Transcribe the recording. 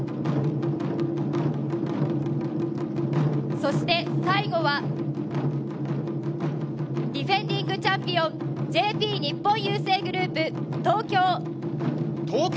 そして、最後はディフェンディングチャンピオン、ＪＰ日本郵政グループ・東京。